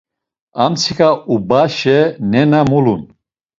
Amtsiǩa ubaşe nena mulun.